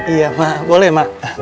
iya mak boleh mak